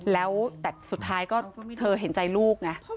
แล้วแต่สุดท้ายก็เธอเห็นใจลูกไง